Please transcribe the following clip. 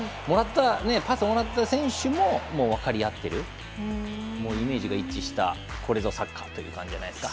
パスをもらった選手も分かり合ってるイメージが一致した、これぞサッカーという感じじゃないですか。